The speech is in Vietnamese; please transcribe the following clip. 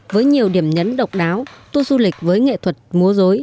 với nhiều điểm nhấn độc đáo tu du lịch với nghệ thuật múa rối